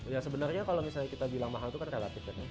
ya sebenarnya kalau misalnya kita bilang mahal itu kan relatif ya